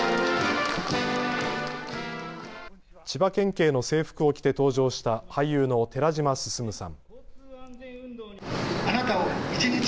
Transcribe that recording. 千葉県警の制服を着て登場した俳優の寺島進さん。